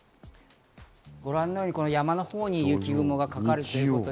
ご覧のように山の方に雪雲がかかる。